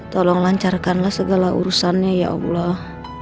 tolong lancarkanlah segala urusannya ya allah